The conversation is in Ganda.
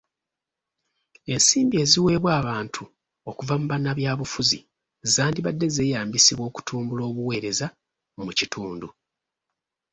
Ensimbi eziweebbwa abantu okuva mu bannabyabufuzi zandibadde zeeyambisibwa okutumbula obuweereza mu kitundu.